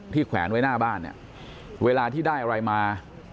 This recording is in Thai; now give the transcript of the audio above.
แขวนไว้หน้าบ้านเนี่ยเวลาที่ได้อะไรมา